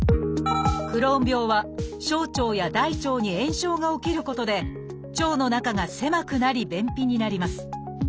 「クローン病」は小腸や大腸に炎症が起きることで腸の中が狭くなり便秘になります。